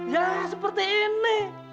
ya seperti ini